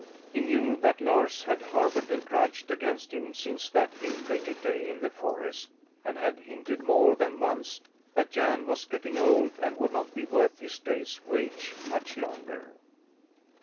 He knew that Lars had harboured a grudge against him since that ill fated day in the forest and had hinted more than once that Jan was getting old and would not be worth his day's wage much longer.